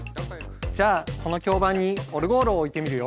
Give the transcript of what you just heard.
じゃあこの響板にオルゴールを置いてみるよ。